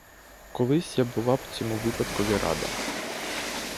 Колись я була б цьому випадкові рада.